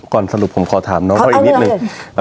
สรุปผมขอถามน้องเขาอีกนิดนึง